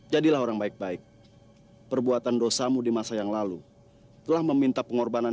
jadilah orang baik baik perbuatan dosamu di masa yang lalu telah meminta pengorbanan